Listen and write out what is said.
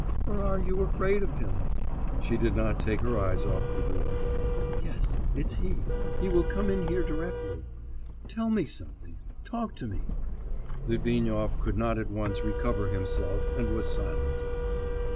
Or are you afraid of him?' She did not take her eyes off the door. 'Yes, it's he; he will come in here directly. Tell me something, talk to me.' Litvinov could not at once recover himself and was silent.